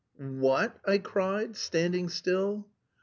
"Wha at!" I cried, standing still.